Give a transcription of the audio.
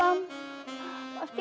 kasian banget om sulam